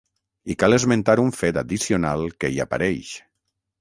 I cal esmentar un fet addicional que hi apareix.